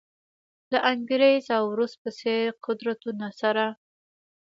د انګریز او روس په څېر قدرتونو سره.